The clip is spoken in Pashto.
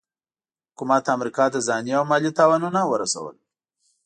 حکومت امریکا ته ځاني او مالي تاوانونه ورسول.